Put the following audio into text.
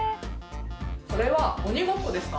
それは鬼ごっこですか？